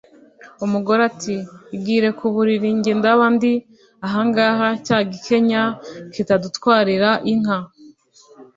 ,umugore ati: "Igire ku buriri, jye ndaba ndi ahangaha cya gikenya kitadutwarira inka